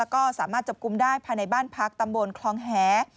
อย่างนั้นสามารถจับกุมได้ภายในบ้านพักตำบลคลองแห